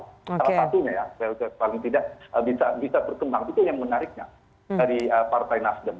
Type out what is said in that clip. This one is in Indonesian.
salah satunya ya paling tidak bisa berkembang itu yang menariknya dari partai nasdem